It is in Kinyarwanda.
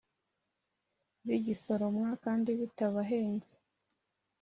zigisoromwa kandi bitabahenze.